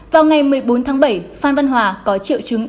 vào ngày một mươi bốn tháng bảy phan văn hòa có triệu chứng